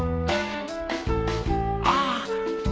ああ